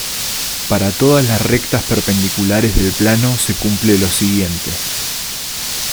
Para todas las rectas perpendiculares del plano se cumple lo siguiente.